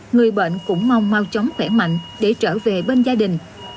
người bệnh cũng mong mau chóng khỏe mạnh để trở về bên gia đình